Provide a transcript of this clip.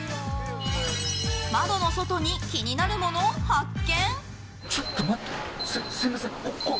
窓の外に気になるものを発見。